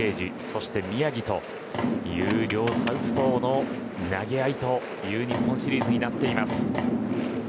そして、宮城という両サウスポーの投げ合いという日本シリーズなっています。